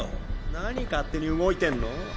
何勝手に動いてんの？